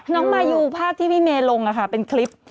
น้องมายูภาพที่พี่เมย์ลงอ่ะค่ะเป็นคลิป